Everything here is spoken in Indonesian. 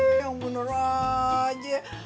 ih yang bener aja